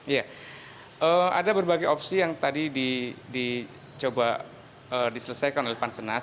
ya ada berbagai opsi yang tadi dicoba diselesaikan oleh pansenas